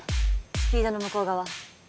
スピードの向こう側。